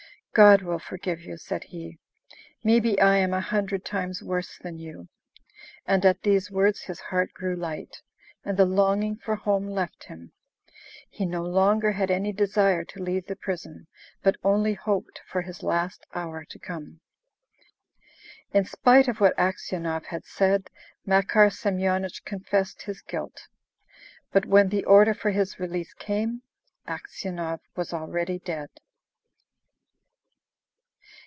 "God will forgive you!" said he. "Maybe I am a hundred times worse than you." And at these words his heart grew light, and the longing for home left him. He no longer had any desire to leave the prison, but only hoped for his last hour to come. In spite of what Aksionov had said, Makar Semyonich confessed his guilt. But when the order for his release came, Aksionov was already dead.